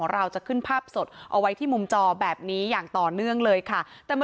เราจะขึ้นภาพสดเอาไว้ที่มุมจอแบบนี้อย่างต่อเนื่องเลยค่ะ